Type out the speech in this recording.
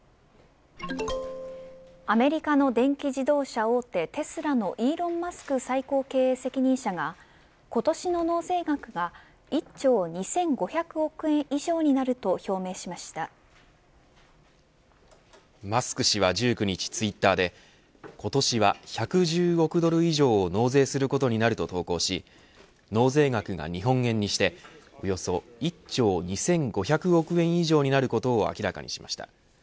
アメリカの電気自動車大手テスラのイーロン・マスク最高経営責任者が今年の納税額は１兆２５００億円以上になるとマスク氏は１９日ツイッターで今年は１１０億ドル以上を納税することになると投稿し納税額が日本円にして、およそ１兆２５００億円以上になることを明らかにしました。